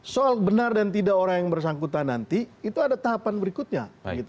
soal benar dan tidak orang yang bersangkutan nanti itu ada tahapan berikutnya